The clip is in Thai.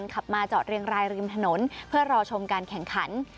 ขับมาจอดเรียงรายริมถนนเพื่อรอชมการแข่งขัน